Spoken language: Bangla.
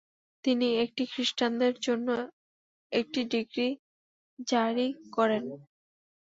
তিনি একটি খ্রিষ্টানদের জন্য একটি ডিক্রি জারি করেন।